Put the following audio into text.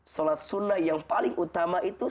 sholat sunnah yang paling utama itu